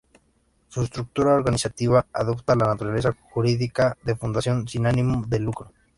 Su estructura organizativa, adopta la naturaleza jurídica de Fundación sin ánimo de lucro.